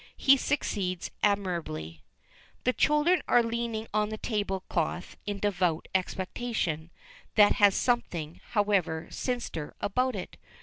He succeeds admirably. The children are leaning on the table cloth in devout expectation, that has something, however, sinister about it.